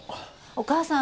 お母さん